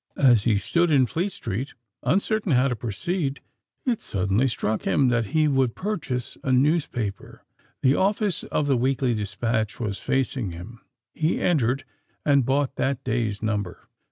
As he stood in Fleet Street, uncertain how to proceed, it suddenly struck him that he would purchase a newspaper. The office of the Weekly Dispatch was facing him: he entered, and bought that day's number.